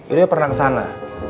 ido pernah kesana